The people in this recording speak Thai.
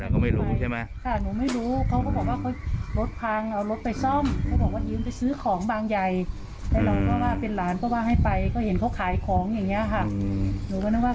แล้วก็ไม่รู้ใช่ไหมค่ะหนูไม่รู้เขาก็บอกว่ารถพังเอารถไปซ่อมเขาก็บอกว่าอีอุ้นไปซื้อของบ้างใหญ่แล้วเราก็ว่าเป็นหลานก็ว่าให้ไปก็เห็นเขาขายของอย่างเงี้ยค่ะ